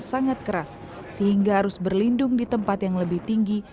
sangat keras sehingga harus berlindung di tempat yang lebih tinggi